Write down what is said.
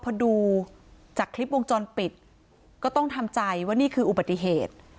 พอดูจากคลิปวงจรปิดก็ต้องทำใจว่านี่คืออุบัติเหตุ